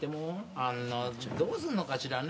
あんなどうすんのかしらね？